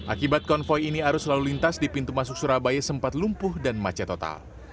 akibat konvoy ini arus lalu lintas di pintu masuk surabaya sempat lumpuh dan macet total